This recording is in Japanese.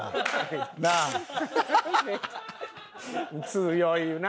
強いな。